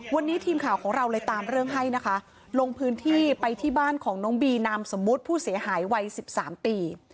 วันนี้ทีมข่าวของเราเลยตามเรื่องให้นะคะลงพื้นที่ไปที่บ้านของน้องบีนามสมมุติผู้เสียหายวัย๑๓ปี